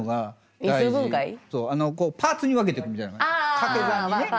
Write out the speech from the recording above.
かけ算にね。